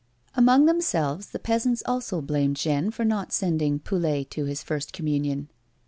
Amongst themselves the peasants also blamed Jeanne for not sending Poulet to his first communion.